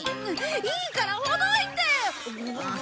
いいからほどいて！